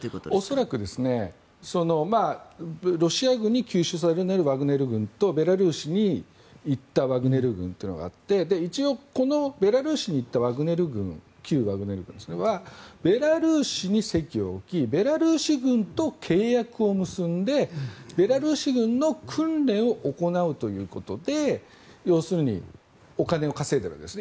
恐らく、ロシア軍に吸収されるワグネル軍とベラルーシに行ったワグネル軍というのがあって一応、ベラルーシに行った旧ワグネル軍はベラルーシに籍を置きベラルーシ軍と契約を結んでベラルーシ軍の訓練を行うということで要するにお金を稼いでいるわけです。